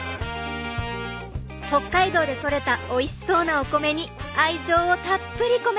北海道でとれたおいしそうなお米に愛情をたっぷり込めて。